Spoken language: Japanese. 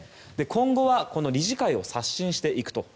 今後はこの理事会を刷新していくと。